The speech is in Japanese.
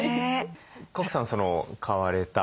賀来さんその買われた。